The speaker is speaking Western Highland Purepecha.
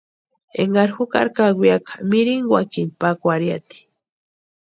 Énkari jukari kawiaka mirinkwakini pakwarhiati.